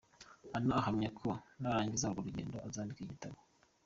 Anna ahamya ko narangiza urwo rugendo azandika igitabo.